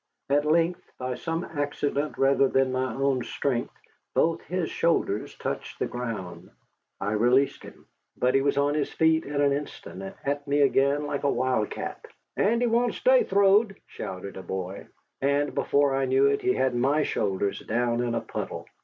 At length, by some accident rather than my own strength, both his shoulders touched the ground. I released him. But he was on his feet in an instant and at me again like a wildcat. "Andy won't stay throwed," shouted a boy. And before I knew it he had my shoulders down in a puddle.